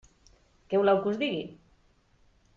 Què voleu que us digui?